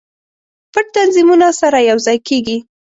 پټ تنظیمونه سره یو ځای کیږي.